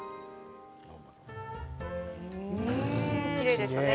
きれいでしたね。